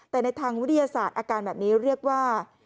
แต่ในทางวิทยาศาสตร์อาการแบบนี้เรียกว่า